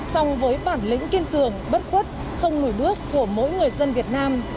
song với bản lĩnh kiên cường bất khuất không lùi bước của mỗi người dân việt nam